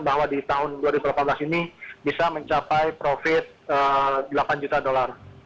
bahwa di tahun dua ribu delapan belas ini bisa mencapai profit delapan juta dolar